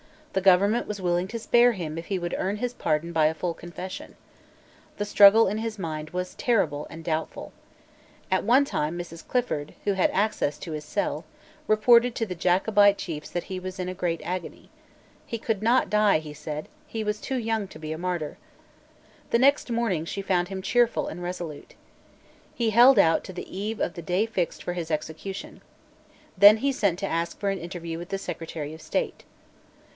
The government was willing to spare him if he would earn his pardon by a full confession. The struggle in his mind was terrible and doubtful. At one time Mrs. Clifford, who had access to his cell, reported to the Jacobite chiefs that he was in a great agony. He could not die, he said; he was too young to be a martyr, The next morning she found him cheerful and resolute, He held out till the eve of the day fixed for his execution. Then he sent to ask for an interview with the Secretary of State.